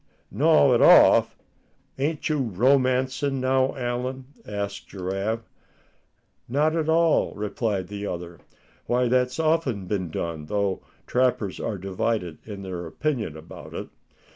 "Gnaw it off ain't you romancing, now, Allan?" asked Giraffe. "Not at all," replied the other. "Why that's often been done, though trappers are divided in their opinion about it.